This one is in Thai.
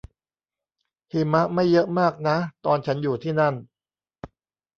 หิมะไม่เยอะมากนะตอนฉันอยู่ที่นั่น